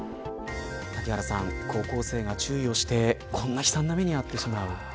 谷原さん、高校生が注意をしてこんな悲惨な目に遭ってしまう。